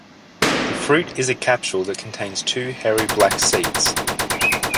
The fruit is a capsule that contains two hairy black seeds.